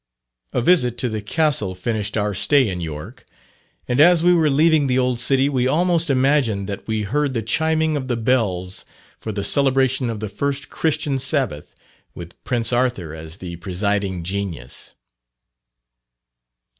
A visit to the Castle finished our stay in York; and as we were leaving the old city we almost imagined that we heard the chiming of the bells for the celebration of the first Christian Sabbath, with Prince Arthur as the presiding genius.